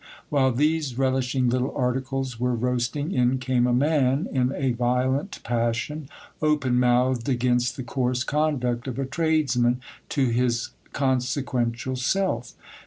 While these relishing little articles were roasting, in came a man in a violent passion, open mouthed against the coarse conduct of a tradesman to his consequential self.